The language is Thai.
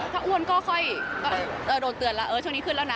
ถ้าอ้วนก็ค่อยโดนเตือนแล้วช่วงนี้ขึ้นแล้วนะ